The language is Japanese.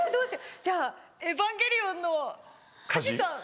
じゃあ『エヴァンゲリオン』の加持さん。